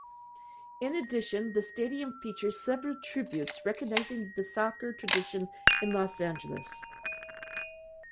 In addition, the stadium features several tributes recognizing the soccer tradition in Los Angeles.